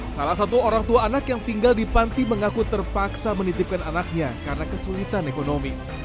salah satu orang tua anak yang tinggal di panti mengaku terpaksa menitipkan anaknya karena kesulitan ekonomi